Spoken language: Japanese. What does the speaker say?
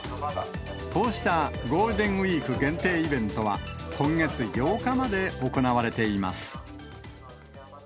こうしたゴールデンウィーク限定イベントは、今月８日まで行われています。